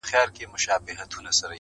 د ناروا زوی نه یم.